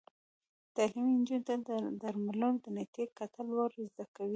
تعلیم نجونو ته د درملو د نیټې کتل ور زده کوي.